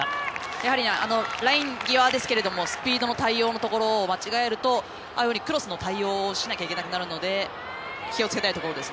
やはりライン際ですけれどもスピードも対応を間違えるとああいうクロスの対応をしなきゃいけなくなるので気をつけないといけないところです。